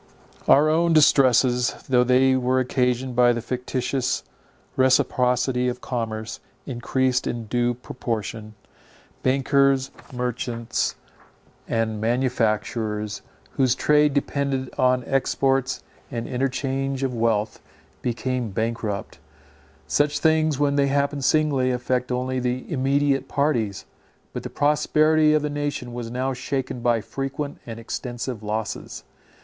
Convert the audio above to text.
Our own distresses, though they were occasioned by the fictitious reciprocity of commerce, encreased in due proportion. Bankers, merchants, and manufacturers, whose trade depended on exports and interchange of wealth, became bankrupt. Such things, when they happen singly, affect only the immediate parties; but the prosperity of the nation was now shaken by frequent and extensive losses.